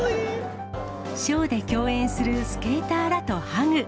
ショーで共演するスケーターらとハグ。